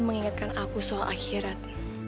mengingatkan aku soal akhirat